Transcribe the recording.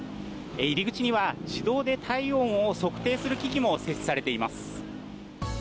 入り口には自動で体温を測定する機器も設置されています。